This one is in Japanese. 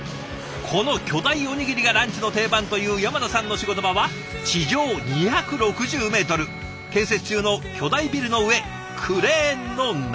この巨大おにぎりがランチの定番という山名さんの仕事場は地上２６０メートル建設中の巨大ビルの上クレーンの中でした。